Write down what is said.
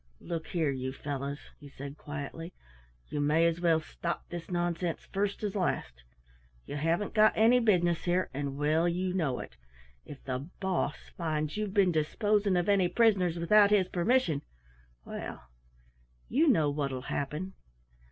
"Look here, you fellows," he said quietly, "you may as well stop this nonsense first as last. You haven't got any business here, and well you know it. If the Boss finds you've been disposing of any prisoners without his permission well you know what'll happen!"